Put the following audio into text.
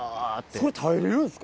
それ耐えれるんですか？